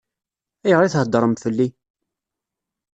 Ayɣer i theddṛem fell-i?